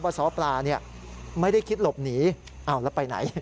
ซ้อปลาไม่ได้คิดหลบหนีอ้าวแล้วไปไหน